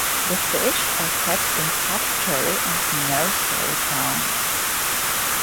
The fish are kept in hatchery and nursery ponds.